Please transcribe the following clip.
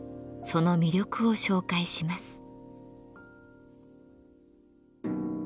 その魅力を紹介します。